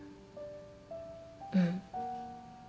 うん。